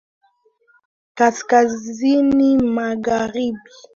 Kaskazini Magharibi Imepakana na bahari ya Mediteranea